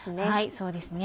そうですね。